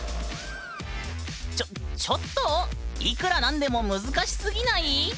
ちょっちょっといくら何でも難しすぎない？